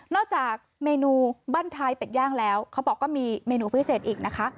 จากเมนูบ้านท้ายเป็ดย่างแล้วเขาบอกก็มีเมนูพิเศษอีกนะคะ